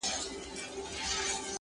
o بد په سلام نه ورکېږي٫